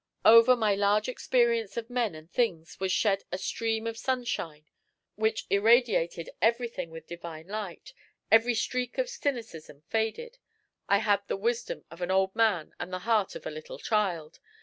Over my large experience of men and things was shed a stream of sunshine which irradiated everything with divine light; every streak of cynicism faded. I had the wisdom of an old man and the heart of a little child.